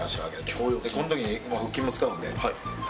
この時に腹筋も使うんで。